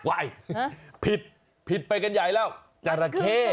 ว่ายผิดผิดไปกันใหญ่แล้วจาระแคร์